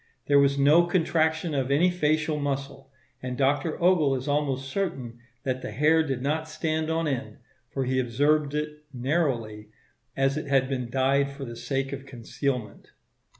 There was no contraction of any facial muscle, and Dr. Ogle is almost certain that the hair did not stand on end, for he observed it narrowly, as it had been dyed for the sake of concealment.